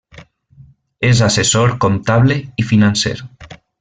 És assessor comptable i financer.